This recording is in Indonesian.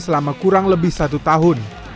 selama kurang lebih satu tahun